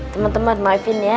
teman teman maafin ya